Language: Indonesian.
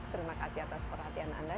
terima kasih atas perhatian anda